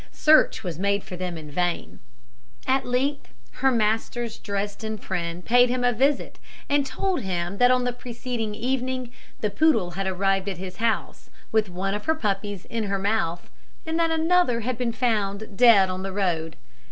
Search was made for them in vain. At length her master's Dresden friend paid him a visit, and told him that on the preceding evening the poodle had arrived at his house with one of her puppies in her mouth, and that another had been found dead on the road.